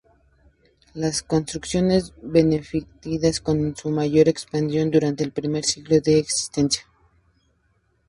La construcción benedictina conoció su mayor expansión durante el primer siglo de su existencia.